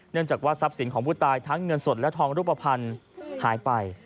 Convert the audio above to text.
จากว่าทรัพย์สินของผู้ตายทั้งเงินสดและทองรูปภัณฑ์หายไป